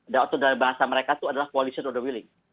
dan bahasa mereka itu adalah koalisi non willing